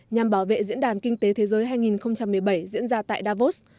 nhằm bảo vệ diễn đàn kinh tế thế giới hai nghìn một mươi bảy diễn ra tại davos